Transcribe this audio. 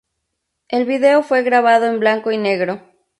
El vídeo fue grabado en blanco y negro.